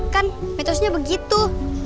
kan metosnya begitu